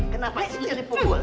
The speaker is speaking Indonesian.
kenapa disini dipukul